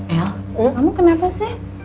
el kamu kenapa sih